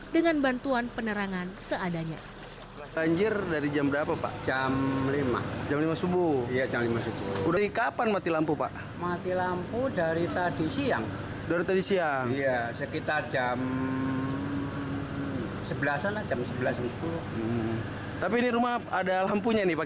dengan bantuan penerangan seadanya